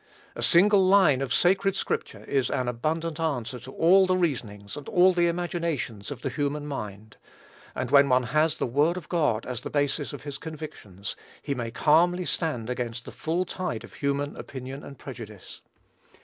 A single line of sacred scripture is an abundant answer to all the reasonings and all the imaginations of the human mind; and when one has the word of God as the basis of his convictions, he may calmly stand against the full tide of human opinion and prejudice.